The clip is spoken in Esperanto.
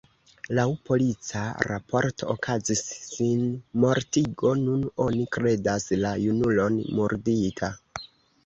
Laŭ polica raporto okazis sinmortigo: nun oni kredas la junulon murdita.